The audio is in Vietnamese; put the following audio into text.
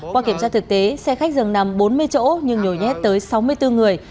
qua kiểm tra thực tế xe khách dường nằm bốn mươi chỗ nhưng nhồi nhét tới sáu mươi bốn người